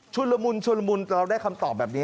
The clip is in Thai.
ชุดละมุนเราได้คำตอบแบบนี้